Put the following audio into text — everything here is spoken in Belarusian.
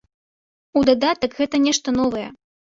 У дадатак гэта нешта новае.